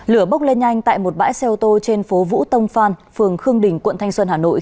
lửa bốc lên nhanh tại một bãi xe ô tô trên phố vũ tông phan phường khương đình quận thanh xuân hà nội